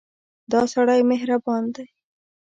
دا سړی مهربان دی.